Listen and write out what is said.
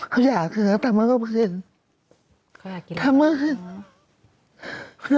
เค้าอยากเคลือทำไว้ก็เคลื่อน